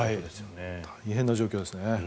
大変な状況ですね。